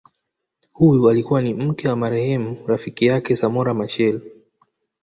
Huyu alikuwa ni mke wa marehemu rafiki yake Samora Machel